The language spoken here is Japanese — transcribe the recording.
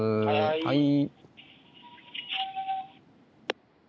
はい。